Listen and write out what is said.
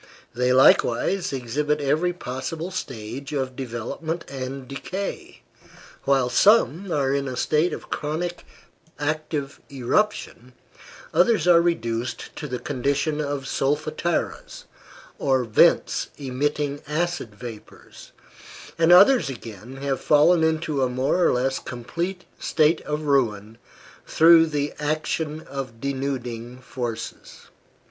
They likewise exhibit every possible stage of development and decay: while some are in a state of chronic active eruption, others are reduced to the condition of solfataras, or vents emitting acid vapors, and others again have fallen into a more or less complete state of ruin through the action of denuding forces.